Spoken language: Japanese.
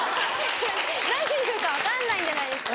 何人来るか分かんないじゃないですか。